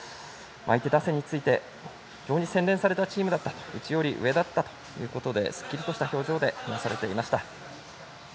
相手打線について非常に洗練されたチームだったうちより上だったということですっきりとした表情で話されていました。